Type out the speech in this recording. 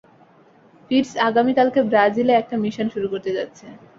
ফিটজ আগামীকালকে ব্রাজিলে একটা মিশন শুরু করতে যাচ্ছে।